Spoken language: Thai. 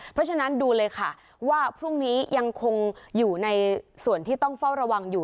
เพราะฉะนั้นดูเลยค่ะว่าพรุ่งนี้ยังคงอยู่ในส่วนที่ต้องเฝ้าระวังอยู่